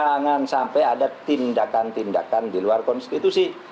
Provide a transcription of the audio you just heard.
jangan sampai ada tindakan tindakan di luar konstitusi